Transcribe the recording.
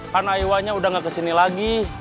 kan ayuannya udah gak kesini lagi